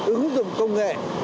ứng dụng công nghệ